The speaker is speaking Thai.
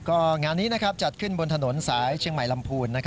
ก็งานนี้จัดขึ้นบนถนนสายเชียงใหม่ลำพูน